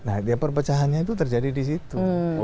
nah dia perpecahannya itu terjadi di situ